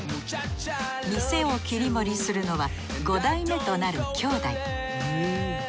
店を切り盛りするのは五代目となる兄弟。